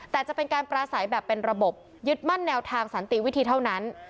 แต่จะเป็นการปราศัยแบบเป็นระบบยึดมั่นแนวทางสันติวิธีเท่านั้น